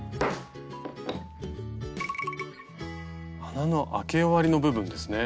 穴のあけ終わりの部分ですね。